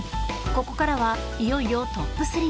ここからは、いよいよトップ３。